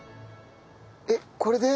えっこれで？